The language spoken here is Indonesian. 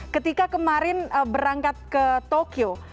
ketika kemarin berangkat ke tokyo